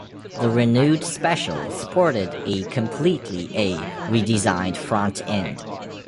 The renewed Special sported a completely a redesigned front end.